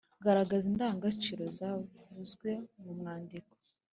Garagaza indangagaciro zavuzwe mu mwandiko.